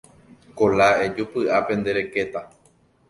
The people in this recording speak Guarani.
Kola ejúpy, ápe nde rekéta